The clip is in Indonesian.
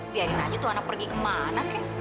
biarin aja tuh anak pergi kemana kek